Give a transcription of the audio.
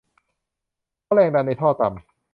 เพราะแรงดันในท่อต่ำ